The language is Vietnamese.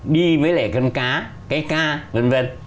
đi với lại con cá cái ca v v